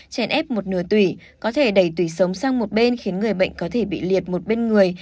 chèn ép một nửa tùy có thể đẩy tủy sống sang một bên khiến người bệnh có thể bị liệt một bên người